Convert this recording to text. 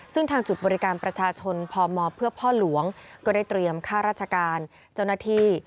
ซึ่งทางจุดบริการประชาชนพมเพื่อพ่อหลวงก็ได้เตรียมค่าราชการเจ้าหน้าที่